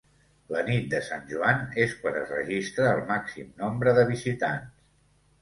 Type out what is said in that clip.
La nit de Sant Joan és quan es registra el màxim nombre de visitants.